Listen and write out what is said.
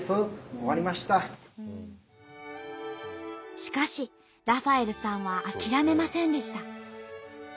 しかしラファエルさんは諦めませんでした。